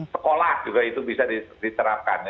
sekolah juga itu bisa diterapkan